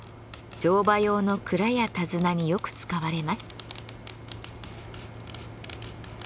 乗馬用の鞍や手綱によく使われます。